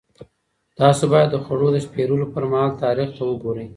تاسو باید د خوړو د پېرلو پر مهال تاریخ ته وګورئ.